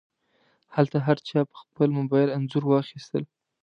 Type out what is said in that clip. هلته هر چا په خپل موبایل انځورونه واخیستل.